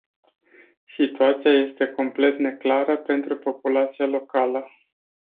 Situația este complet neclară pentru populația locală.